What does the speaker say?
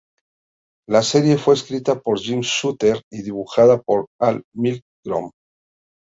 La serie fue escrita por Jim Shooter y dibujada por Al Milgrom.